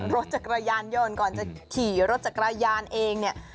รถจักรยานยนต์ก่อนจะขี่รถจักรยานเองเนี่ย